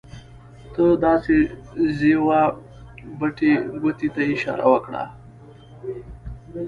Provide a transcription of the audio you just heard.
ته داسې ځې وه بټې ګوتې ته یې اشاره وکړه.